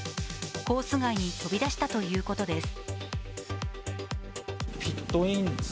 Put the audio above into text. コース外に飛び出したということです。